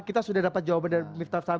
kita sudah dapat jawaban dari miftah fari